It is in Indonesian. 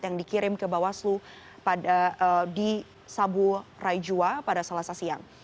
yang dikirim ke bawaslu di sabu raijua pada selasa siang